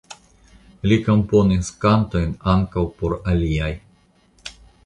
Li komponis kantojn ankaŭ por aliaj.